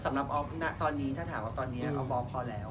สำหรับอ๊อฟตอนนี้ถ้าถามอ๊อฟตอนนี้อ๊อฟบอกพอแล้ว